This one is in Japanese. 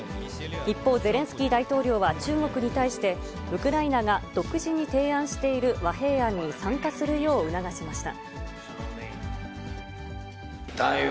一方、ゼレンスキー大統領は中国に対して、ウクライナが独自に提案している和平案に参加するよう促しました。